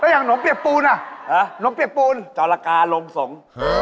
แล้วอย่างหนมเปียกปูนน่ะหนมเปียกปูนจรกาลงสง